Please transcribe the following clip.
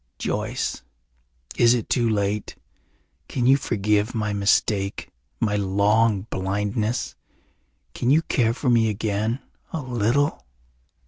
"Joyce, is it too late? Can you forgive my mistake, my long blindness? Can you care for me again a little?"